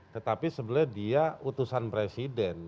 tetapi sebenarnya dia utusan presiden